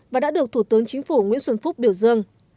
và đã được thủ tướng chính phủ nguyễn xuân phúc biểu dương